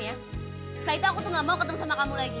setelah itu aku tuh gak mau ketemu sama kamu lagi